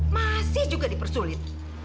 masih juga dipersulit